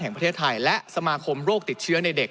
แห่งประเทศไทยและสมาคมโรคติดเชื้อในเด็ก